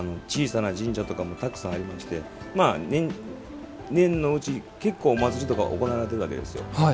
小さな神社とかもたくさんありまして年のうち結構祭りとか行われているわけですよ。